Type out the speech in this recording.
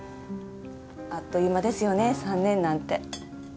あっという間ですよね３年なんて。